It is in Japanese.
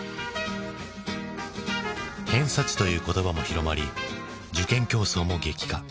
「偏差値」という言葉も広まり受験競争も激化。